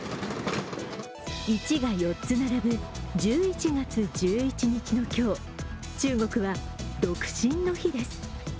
１が４つ並ぶ１１月１１日の今日、中国は独身の日です。